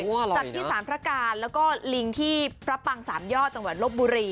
จากที่สารพระการแล้วก็ลิงที่พระปังสามยอดจังหวัดลบบุรี